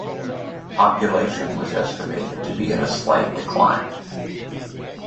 Population was estimated to be in a slight decline.